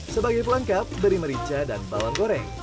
sebagai pelengkap beri merica dan bawang goreng